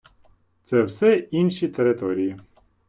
Це все інші території.